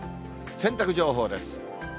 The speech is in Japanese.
洗濯情報です。